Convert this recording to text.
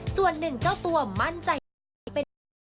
ส่วนหนึ่งเจ้าตัวมั่นใจเป็น